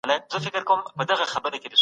تېر سياسي جريانونه ژوره مطالعه غواړي.